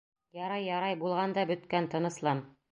Ярай, ярай, булған да бөткән, тыныслан...